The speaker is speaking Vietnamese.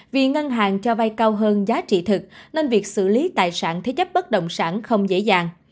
vì ngân hàng cho vay cao hơn giá trị thực nên việc xử lý tài sản thế chấp bất động sản không dễ dàng